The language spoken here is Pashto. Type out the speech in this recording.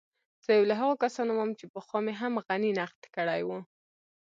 زه يو له هغو کسانو وم چې پخوا مې هم غني نقد کړی و.